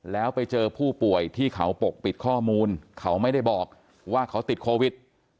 แล้วไปเจอผู้ป่วยที่เขาปกปิดข้อมูลเขาไม่ได้บอกว่าเขาติดโควิด